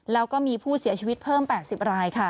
แล้วก็มีผู้เสียชีวิตเพิ่ม๘๐รายค่ะ